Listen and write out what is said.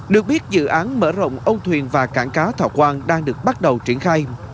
được biết dự án mở rộng ôn thuyền và cảng cá thảo quang đang được bắt đầu triển khai